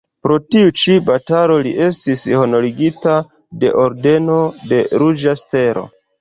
Pro tiu ĉi batalo li estis honorigita de ordeno de Ruĝa Stelo.